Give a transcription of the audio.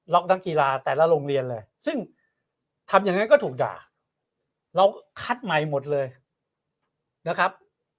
นักกีฬาแต่ละโรงเรียนเลยซึ่งทำยังไงก็ถูกด่าเราคัดใหม่หมดเลยนะครับ